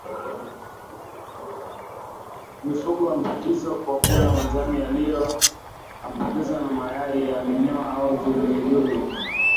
Mifugo huambukizwa kwa kula majani yaliyoambukizwa na mayai ya minyoo au viluilui